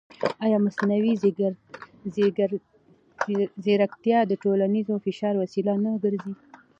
ایا مصنوعي ځیرکتیا د ټولنیز فشار وسیله نه ګرځي؟